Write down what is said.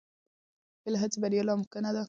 بې له هڅې بریا ناممکنه ده.